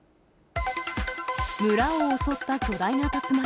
村を襲った巨大な竜巻。